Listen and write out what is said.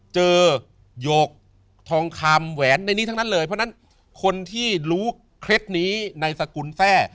โยกทองคำแหวนในนี้ทั้งนั้นเลยเพราะฉะนั้นคนที่รู้เคล็ดนี้ในสกุลแทร่